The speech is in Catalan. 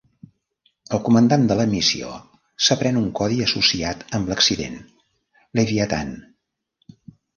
El comandant de la missió s'aprèn un codi associat amb l'accident: Leviathan.